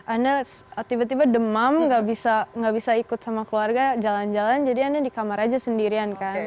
anda tiba tiba demam nggak bisa ikut sama keluarga jalan jalan jadi anda di kamar aja sendirian kan